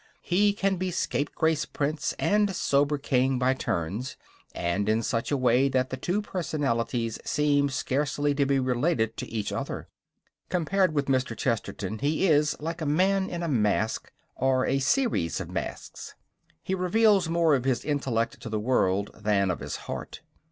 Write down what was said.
He can be scapegrace prince and sober king by turns, and in such a way that the two personalities seem scarcely to be related to each other. Compared with Mr. Chesterton he is like a man in a mask, or a series of masks. He reveals more of his intellect to the world than of his heart.